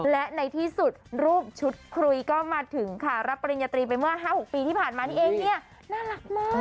และในที่สุดรูปชุดคุยก็มาถึงค่ะรับปริญญาตรีไปเมื่อ๕๖ปีที่ผ่านมานี่เองเนี่ยน่ารักมาก